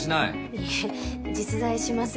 いえ実在します